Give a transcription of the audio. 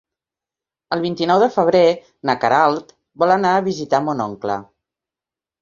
El vint-i-nou de febrer na Queralt vol anar a visitar mon oncle.